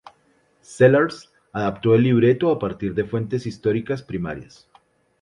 Sellars adaptó el libreto a partir de fuentes históricas primarias.